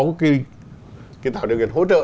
cái tạo điều kiện hỗ trợ